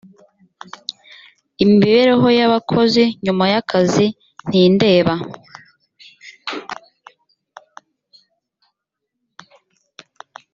imibereho y’abakozi nyuma y’akazi ntindeba